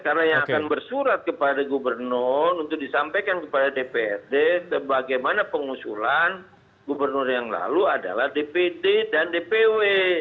karena yang akan bersurat kepada gubernur untuk disampaikan kepada dpd bagaimana pengusulan gubernur yang lalu adalah dpd dan dpw